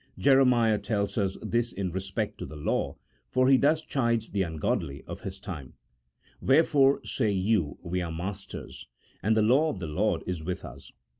Jeremiah tells us this in respect to the law, for he thus chides the ungodly of his time, "Wherefore say you we are masters, and the law of the Lord is with us